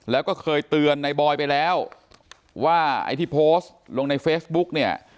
แล้วก็เคยเตือนในบอยไปแล้วว่าไอ้ที่โพสต์ลงในเฟซบุ๊กเนี่ย